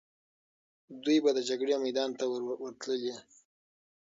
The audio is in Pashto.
دوی به د جګړې میدان ته ورتللې.